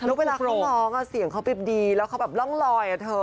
แล้วเวลาเขาร้องเสียงเขาไปดีแล้วเขาแบบร่องลอยอะเธอ